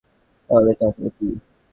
তাহলে এটা আসলে কী?